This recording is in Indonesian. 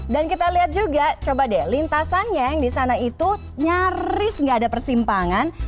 dan kita lihat juga coba deh lintasannya yang di sana itu nyaris nggak ada persimpangan